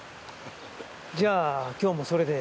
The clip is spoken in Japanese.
じゃあ今日もそれで？